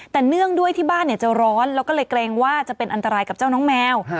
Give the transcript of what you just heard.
แต่เนื่องด้วยที่บ้านจะร้อนแล้วก็เลยเกรงว่าจะเป็นอันตรายกับเจ้าน้องแมว